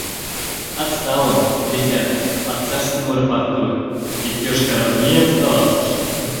Отстал он, ребята, по-царскому рапортует! — ик йошкарармеец каласыш.